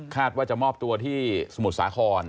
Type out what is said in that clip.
ว่าจะมอบตัวที่สมุทรสาคร